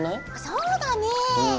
そうだね。